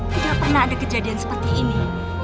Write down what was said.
tidak pernah ada kejadian seperti ini